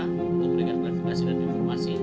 untuk memberikan klarifikasi dan informasi